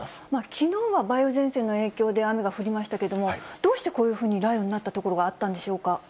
きのうは梅雨前線の影響で雨が降りましたけども、どうしてこういうふうに雷雨になった所があったんでしょうか。